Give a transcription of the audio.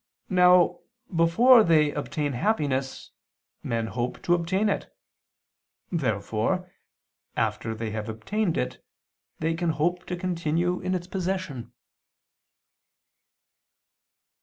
Now, before they obtain happiness, men hope to obtain it. Therefore, after they have obtained it, they can hope to continue in its possession.